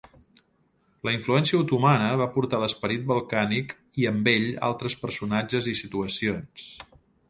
La influència otomana va portar l'esperit balcànic i amb ell, altres personatges i situacions.